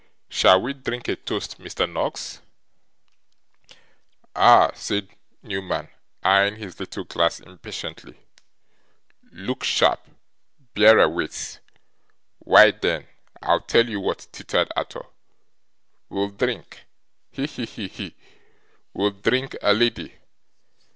Shall we drink a toast, Mr. Noggs?' 'Ah!' said Newman, eyeing his little glass impatiently. 'Look sharp. Bearer waits.' 'Why, then, I'll tell you what,' tittered Arthur, 'we'll drink he, he, he! we'll drink a lady.